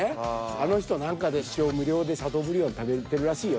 「あの人何かで一生無料でシャトーブリアン食べてるらしいよ」。